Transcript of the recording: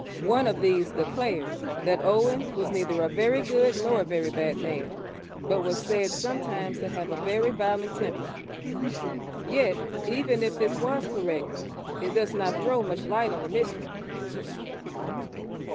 One of these declared that Owen was 'neither a very good nor a very bad man, but was said sometimes to have a very violent temper.' Yet, even if this was correct, it does not throw much light on the mystery.